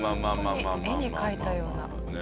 本当に絵に描いたような。